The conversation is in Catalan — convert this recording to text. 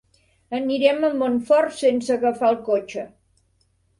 Anirem a Montfort sense agafar el cotxe.